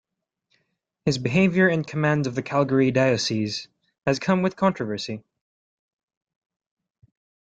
His behavior and command of the Calgary diocese has come with controversy.